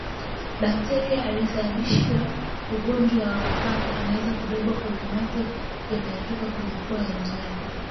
Bakteria anayesababisha ugonjwa wa mapafu anaweza kubebwa kwenye mate yanayotoka kwenye pua ya mnyama